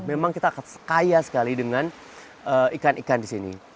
memang kita kaya sekali dengan ikan ikan di sini